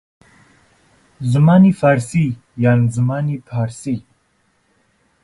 زمانی فارسی یان زمانی پارسی